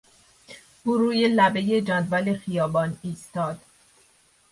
او روی لبهی جدول خیابان ایستاد.